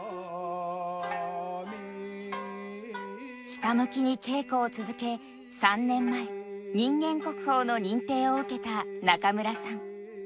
ひたむきに稽古を続け３年前人間国宝の認定を受けた中村さん。